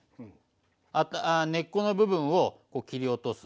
根っこの部分をこう切り落とす。